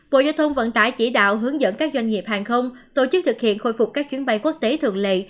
bộ giao thông vận tải chỉ đạo hướng dẫn các doanh nghiệp hàng không tổ chức thực hiện khôi phục các chuyến bay quốc tế thượng lệ